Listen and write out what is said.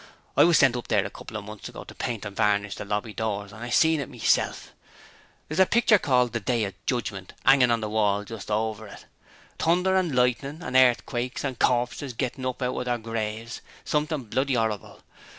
I was sent up there a couple of months ago to paint and varnish the lobby doors and I seen it meself. There's a pitcher called "The Day of Judgement" 'angin' on the wall just over it thunder and lightning and earthquakes and corpses gettin' up out o' their graves something bloody 'orrible!